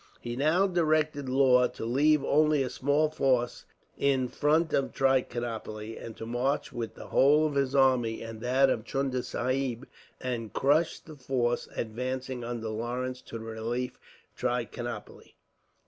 He now directed Law to leave only a small force in front of Trichinopoli, and to march with the whole of his army, and that of Chunda Sahib, and crush the force advancing under Lawrence to the relief of Trichinopoli.